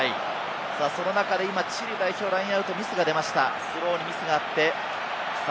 その中で今、チリ代表にラインアウトでスローミスがありました。